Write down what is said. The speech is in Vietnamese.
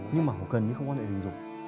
nhưng mà còn cần thì không có thể hình dụng